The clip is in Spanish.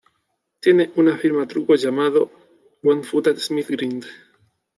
Tiene una firma truco llamado "one-footed smith grind".